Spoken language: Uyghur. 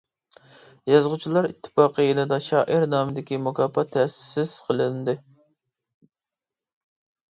يازغۇچىلار ئىتتىپاقى يېنىدا شائىر نامىدىكى مۇكاپات تەسىس قىلىندى.